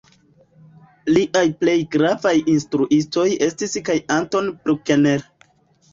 Liaj plej gravaj instruistoj estis kaj Anton Bruckner.